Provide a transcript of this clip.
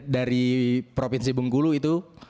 dari provinsi bengkulu itu